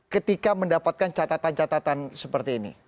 ketika mendapatkan catatan catatan seperti ini